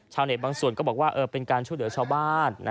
ชาวเน็ตบางส่วนก็บอกว่าเออเป็นการช่วยเหลือชาวบ้าน